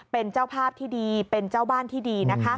เป็นเจ้าภาพที่ดีเป็นเจ้าบ้านที่ดีนะคะ